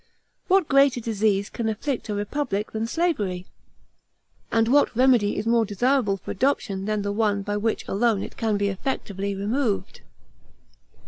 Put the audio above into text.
What greater disease can afflict a republic than slavery? and what remedy is more desirable for adoption than the one by which alone it can be effectually removed?